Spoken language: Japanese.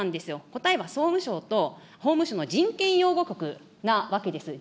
答えは総務省と法務省の人権擁護局なわけです。